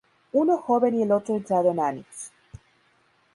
Uno joven y el otro entrado en años.